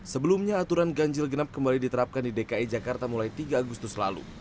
sebelumnya aturan ganjil genap kembali diterapkan di dki jakarta mulai tiga agustus lalu